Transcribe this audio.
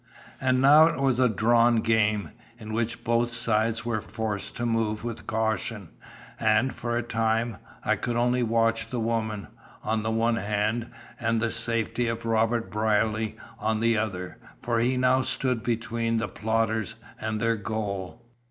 "And now it was a drawn game, in which both sides were forced to move with caution, and, for a time, I could only watch the woman, on the one hand, and the safety of Robert Brierly on the other, for he now stood between the plotters and their goal.